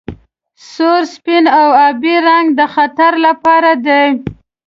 سور سپین او ابي رنګ د خطر لپاره دي.